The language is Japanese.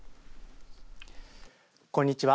こんにちは。